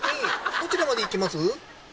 どちらまで行きます？